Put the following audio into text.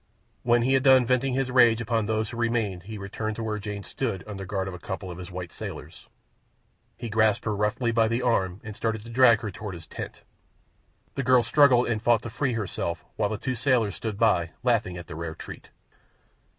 When he had done venting his rage upon those who remained he returned to where Jane stood under guard of a couple of his white sailors. He grasped her roughly by the arm and started to drag her toward his tent. The girl struggled and fought to free herself, while the two sailors stood by, laughing at the rare treat.